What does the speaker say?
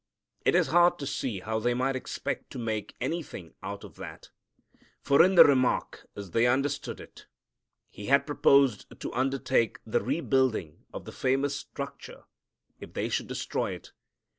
It is hard to see how they might expect to make anything out of that, for in the remark, as they understood it, He had proposed to undertake the rebuilding of the famous structure if they should destroy it.